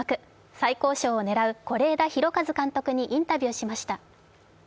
最高賞を狙う是枝裕和監督にインタビューしました。